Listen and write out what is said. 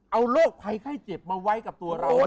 เอาโรคไข้เจ็บมาไว้กับตัวเราด้วย